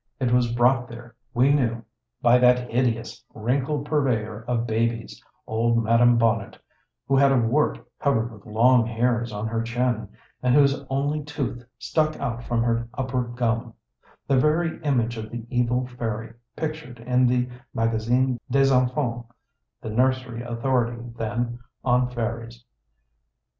It was brought there, we knew, by that hideous, wrinkled purveyor of babies, old Madame Bonnet, who had a wart covered with long hairs on her chin, and whose only tooth stuck out from her upper gum; the very image of the evil fairy, pictured in the Magasin des Enfants, the nursery authority then on fairies.